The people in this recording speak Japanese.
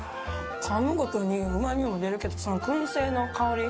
かむごとにうまみも出るけどその薫製の香り。